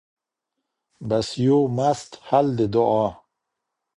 بس یو مست حل د دعا